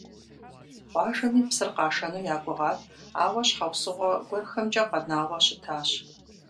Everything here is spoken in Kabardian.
Къуажэми псыр къашэну ягугъат, ауэ щхьэусыгъуэ гуэрхэмкӀэ къэнауэ щытащ.